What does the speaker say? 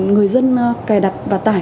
người dân cài đặt và tải